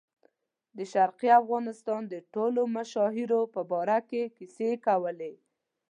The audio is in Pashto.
د شرقي افغانستان د ټولو مشاهیرو په باره کې کیسې کولې.